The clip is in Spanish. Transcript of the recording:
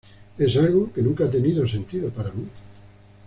Es algo que nunca ha tenido sentido para mí.